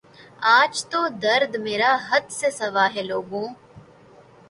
آج تو درد مرا حد سے سوا ہے لوگو